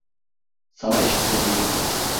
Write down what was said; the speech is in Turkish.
Sana eşlik edeyim.